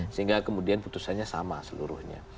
sehingga kemudian putusannya sama seluruhnya